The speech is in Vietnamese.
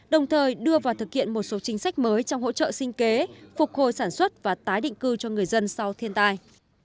đồng thời đưa vào thực hiện một số chính sách mới trong hỗ trợ sinh kế phục hồi sản xuất và tái định cư cho người dân sau thiên tai